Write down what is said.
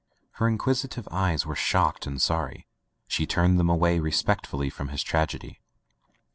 Her inquisitive eyes were shocked and sorry. She turned diem away respectfully from his tragedy.